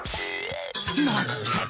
まったく。